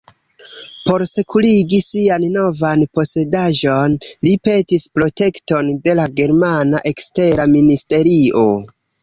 Por sekurigi sian novan posedaĵon li petis protekton de la germana ekstera ministerio.